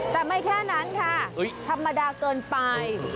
แต่ไม่แค่นั้นค่ะธรรมดาเกินไป